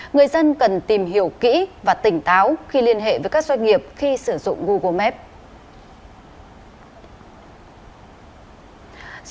người dân cần tìm hiểu kỹ và tỉnh táo khi liên hệ với các doanh nghiệp khi sử dụng google maps